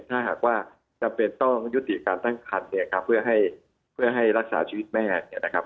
ถ้าหากว่าจำเป็นต้องยุติการตั้งคันเนี่ยครับเพื่อให้เพื่อให้รักษาชีวิตแม่เนี่ยนะครับ